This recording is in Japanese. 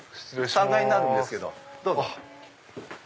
３階になるんですけどどうぞ。